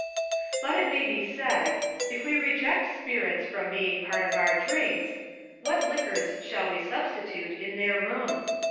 BUT it may be said, if we reject spirits from being a part of our drinks, what liquors shall we substitute in their room